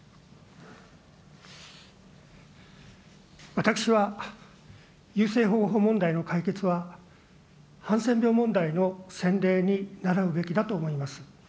私は、優生保護法問題の解決はハンセン病問題の先例にならうべきだと思います。